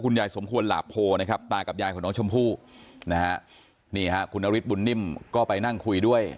นะฮะนี่ฮะคุณอริษบุญนิ่มก็ไปนั่งคุยด้วย